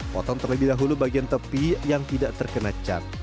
potong terlebih dahulu bagian tepi yang tidak terkena cat